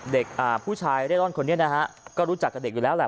อ่าผู้ชายเร่ร่อนคนนี้นะฮะก็รู้จักกับเด็กอยู่แล้วแหละ